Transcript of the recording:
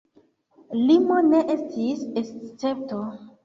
Limo ne estis escepto.